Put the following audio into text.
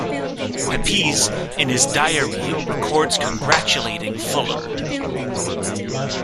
Pepys in his Diary records congratulating Fuller.